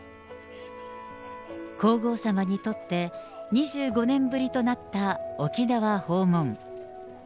皇后さまにとって、２５年ぶりとなった沖縄訪問。